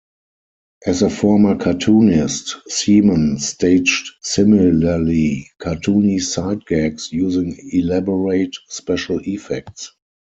As a former cartoonist, Semon staged similarly cartoony sight gags, using elaborate special effects.